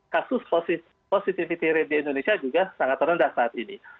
kasus positivity rate di indonesia juga sangat rendah saat ini